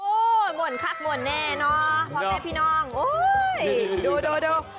โอ้โหหม่วนคักหม่วนแน่เนาะพ่อแม่พี่น้องโอ้โหดู